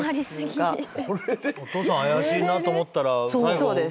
お父さん怪しいなと思ったら最後。